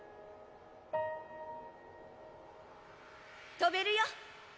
飛べるよ！